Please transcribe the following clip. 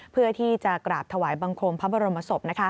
เพื่อที่จะกราบถวายบังคมพระบรมศพ